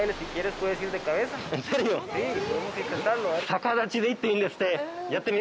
逆立ちで行っていいんですって。